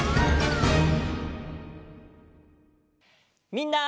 みんな。